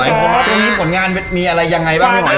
ตรงนี้ผลงานมีอะไรยังไงบ้างมิหอย